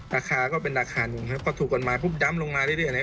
ราคาก็เป็นราคาหนึ่งก็ถูกก่อนมาพรุ่งดำลงมาเรื่อย